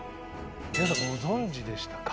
皆さんご存じでしたか？